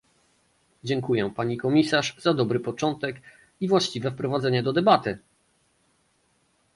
Dziękuję pani komisarz za dobry początek i właściwe wprowadzenie do debaty!